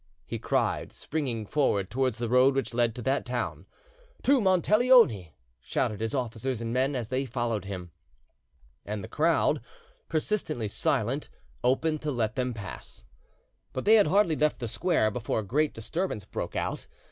he cried, springing forward towards the road which led to that town. "To Monteleone!" shouted his officers and men, as they followed him. And the crowd, persistently silent, opened to let them pass. But they had hardly left the square before a great disturbance broke out.